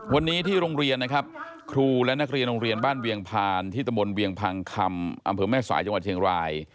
วันนี้ที่โรงเรียนนะครับครูและนักเรียนโรงเรียนบ้านเวียงพานที่ตะมนต์เวียงพังคำอำเภอแม่สายจังหวัดเชียงราย